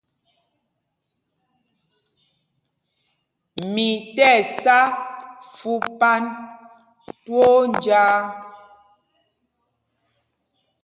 Mi tí ɛsá fupan twóó njāā.